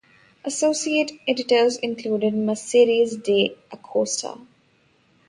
Associate editors included Mercedes de Acosta.